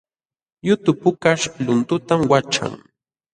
Yutu pukaśh luntutam waćhan